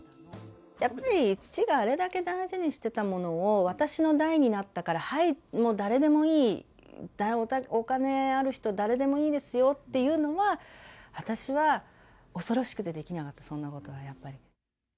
やっぱり父があれだけ大事にしてたものを私の代になったから、はい、もう誰でもいい、お金ある人誰でもいいですよっていうのは、私は恐ろしくてできなかった、そんなことはやっぱり。